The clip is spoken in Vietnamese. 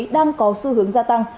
đang có xu hướng gia tăng